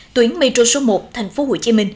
tuyến metro số một tp hcm